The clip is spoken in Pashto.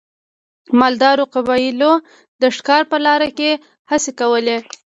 مالدارو قبیلو د ښکار په لاره کې هڅې کولې.